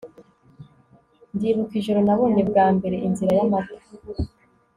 Ndibuka ijoro nabonye bwa mbere Inzira yAmata